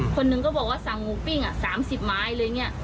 คนหนึ่งก็บอกว่าสั่งหมูปิ้ง๓๐ไม้อะไรอย่างนี้